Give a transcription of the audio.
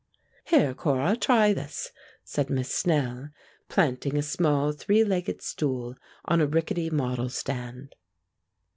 "Here, Cora, try this," said Miss Snell, planting a small three legged stool on a rickety model stand.